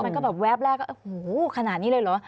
มันก็แบบแวบแรกก็โอ้โหขนาดนี้เลยเหรอ